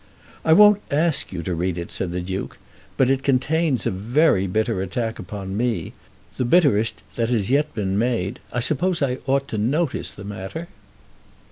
"I won't ask you to read it," said the Duke; "but it contains a very bitter attack upon me, the bitterest that has yet been made. I suppose I ought to notice the matter?"